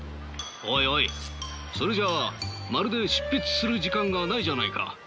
おいおいそれじゃあまるで執筆する時間がないじゃないか。